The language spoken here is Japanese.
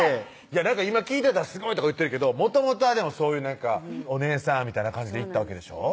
今聞いてたら「すごい」とか言ってるけどもともとはでもそういう「お姉さん」みたいな感じで行ったわけでしょ？